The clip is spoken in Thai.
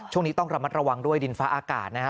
ช่วงนี้ต้องระมัดระวังด้วยดินฟ้าอากาศนะฮะ